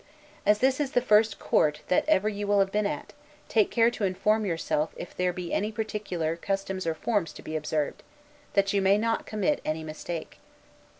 As this is the first court that ever you will have been at, take care to inform yourself if there be any particular, customs or forms to be observed, that you may not commit any mistake.